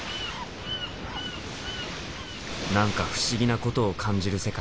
何か不思議なことを感じる世界。